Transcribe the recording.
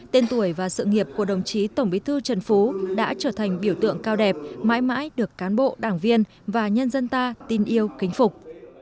tên tuổi và sự nghiệp của đồng chí tổng bí thư trần phú đã trở thành biểu tượng cao đẹp mãi mãi được cán bộ đảng viên và nhân dân ta tin yêu kính phục